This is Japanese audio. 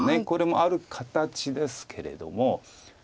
これもある形ですけれども。